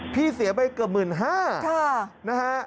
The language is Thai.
พี่เสียใบเกิบ๑๕๐๐๐บาทนะฮะ